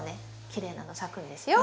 きれいなの咲くんですよ。